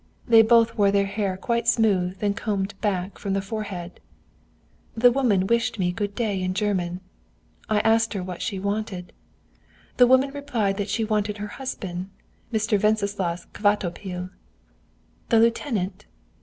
They both wore their hair quite smooth and combed back from the forehead. "The woman wished me good day in German. "I asked her what she wanted. "The woman replied that she wanted her husband, Mr. Wenceslaus Kvatopil. "'The lieutenant?'